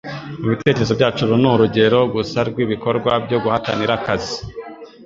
Mubitekerezo byacu uru ni urugero gusa rwibikorwa byo guhatanira akazi